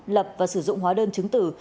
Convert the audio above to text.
lập và sử dụng hóa đơn chứng tử